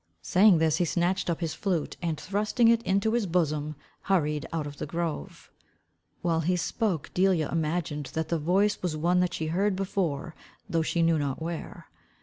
Saying this he snatched up his flute, and thrusting it into his bosom, hurried out of the grove. While he spoke, Delia imagined that the voice was one that she had heard before though she knew not where.